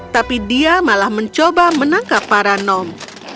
tapi dia malah mencoba menangkap para nom